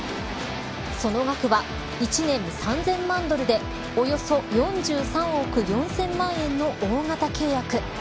その額は１年、３０００万ドルでおよそ４３億４０００万円の大型契約。